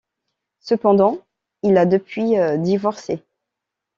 Cependant, il a depuis divorcé.